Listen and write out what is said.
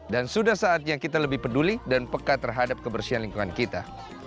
dan sudah saatnya kita lebih peduli dan peka terhadap kebersihan lingkungan kita